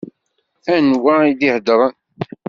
Anwa i d-iheddṛen?